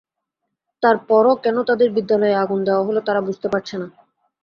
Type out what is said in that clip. তার পরও কেন তাদের বিদ্যালয়ে আগুন দেওয়া হলো তারা বুঝতে পারছে না।